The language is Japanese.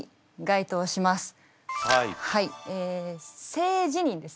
性自認ですね。